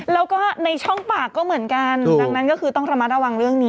แล้วก็ในช่องปากก็เหมือนกันดังนั้นก็คือต้องระมัดระวังเรื่องนี้